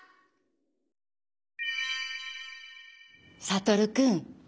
サトルくん。